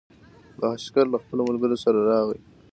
بهاشکر له خپلو ملګرو سره راغی.